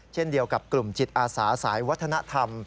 เช่นเดียวกับกลุ่มจิตอาสาสายวัฒนธรรม